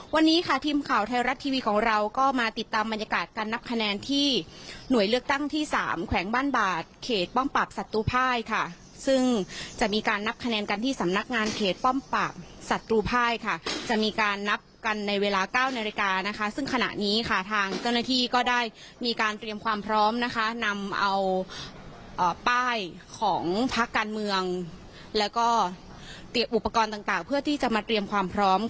วันนี้ค่ะทีมข่าวไทยรัฐทีวีของเราก็มาติดตามบรรยากาศการนับคะแนนที่หน่วยเลือกตั้งที่๓แขวงบ้านบาดเขตป้อมปากศัตรูภายค่ะซึ่งจะมีการนับคะแนนกันที่สำนักงานเขตป้อมปากศัตรูภายค่ะจะมีการนับกันในเวลา๙นาฬิกานะคะซึ่งขณะนี้ค่ะทางเจ้าหน้าที่ก็ได้มีการเตรียมความพร้อมนะคะนำเอา